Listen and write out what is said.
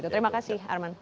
terima kasih arman